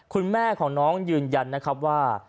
คุณแม่ของน้องยืนยันว่า